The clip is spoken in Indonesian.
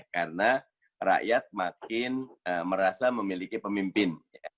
karena rakyat makin merasa memiliki pemimpin